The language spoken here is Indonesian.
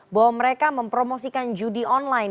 bahwa mereka mempromosikan judi online